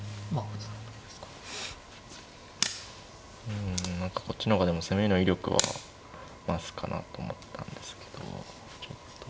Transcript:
うん何かこっちの方がでも攻めの威力は増すかなと思ったんですけどちょっと。